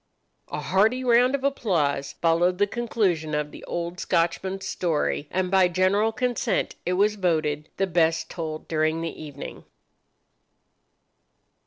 A hearty round of applause followed the conclusion of the old Scotchman's story, and by general consent it was voted the best told during the evening.